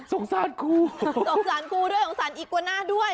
สงสารครูสงสารอีกว่าหน้าด้วย